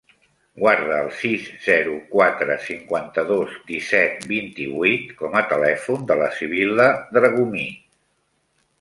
Guarda el sis, zero, quatre, cinquanta-dos, disset, vint-i-vuit com a telèfon de la Sibil·la Dragomir.